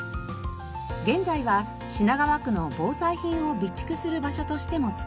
現在は品川区の防災品を備蓄する場所としても使われています。